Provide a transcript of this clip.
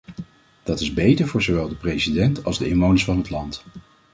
Dat is beter voor zowel de president als de inwoners van het land.